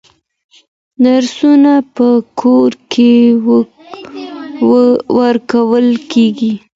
درسونه په کور کي ورکول کېږي.